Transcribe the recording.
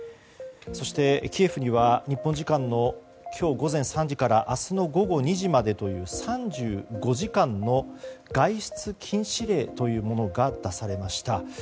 そしてキエフには日本時間の今日午前３時から明日の午後２時までという３５時間の外出禁止令というものが出されました。